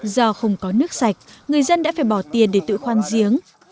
do không có nước sạch người dân đã phải bỏ tiền để tự khoan giếng